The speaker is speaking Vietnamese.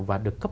và được cấp